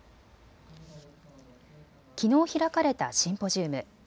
きのう開かれたシンポジウム。